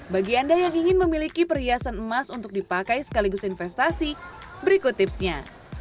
bagi anda yang ingin memiliki perhiasan emas untuk dipakai sekaligus investasi berikut tipsnya